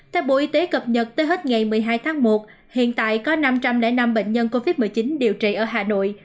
theo bộ y tế cập nhật tới hết ngày một mươi hai tháng một hiện tại có năm trăm linh năm bệnh nhân covid một mươi chín điều trị ở hà nội